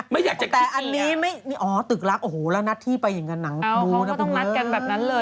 ไม่อยากจะคิดนี่อ่ะแต่อันนี้อ๋อตึกรักโอ้โฮแล้วแน็ตที่ไปอยู่กันหนังบูลนะบุงเบอร์เอาคงก็ต้องรักกันแบบนั้นเลย